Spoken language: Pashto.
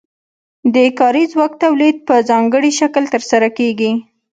د کاري ځواک تولید په ځانګړي شکل ترسره کیږي.